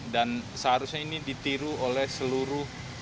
dan seharusnya ini ditiru oleh seluruh